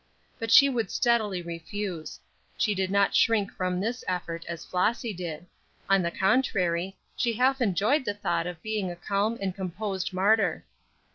But she would steadily refuse. She did not shrink from this effort as Flossy did; on the contrary, she half enjoyed the thought of being a calm and composed martyr.